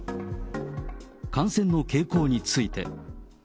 感染の傾向について。